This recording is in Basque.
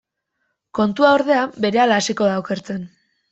Kontua, ordea, berehala hasiko da okertzen.